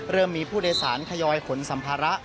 เริ่มมีผู้โดยสารขยอยขนสัมภาระ